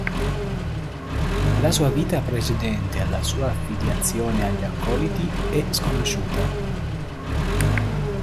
La sua vita precedente alla sua affiliazione agli Accoliti è sconosciuta.